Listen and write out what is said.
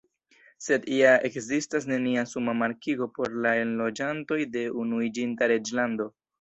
Sed ja ekzistas nenia suma markigo por la enloĝantoj de Unuiĝinta Reĝlando.